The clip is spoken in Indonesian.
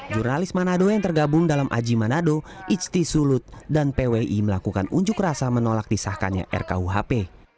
jurnalis manado yang tergabung dalam aji manado ijti sulut dan pwi melakukan unjuk rasa menolak disahkannya rkuhp